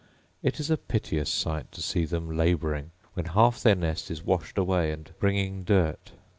It is a piteous sight to see them labouring when half their nest is washed away and bringing dirt ….